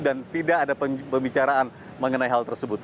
dan tidak ada pembicaraan mengenai hal tersebut